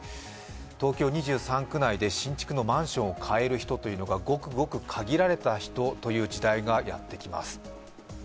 東京２３区内で新築のマンションを買える人がごくごく限られた人だという時代がやってきます。